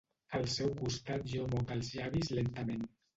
Al seu costat jo moc els llavis lentament.